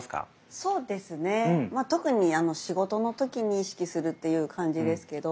そうですね特に仕事の時に意識するという感じですけど。